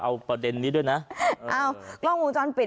เอาประเด็นนี้ด้วยนะเอากล้องวงจรปิด